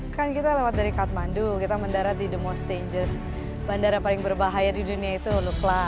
kan kita lewat dari kathmandu kita mendarat di the most dangers bandara paling berbahaya di dunia itu lukla